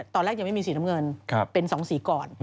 ตอนแรกยังไม่มีสีน้ำเงินเป็น๒สีก่อน